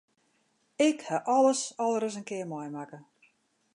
Ik haw alles al ris in kear meimakke.